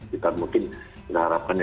kita mungkin mengharapkan